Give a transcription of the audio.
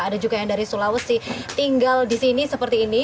ada juga yang dari sulawesi tinggal di sini seperti ini